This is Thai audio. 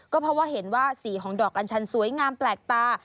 ก็เพราะว่าเห็นว่าสีของดอกอัญชันสวยงามแปลกตา